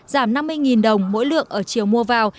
giảm năm mươi đồng mỗi lượng ở chiều mua vào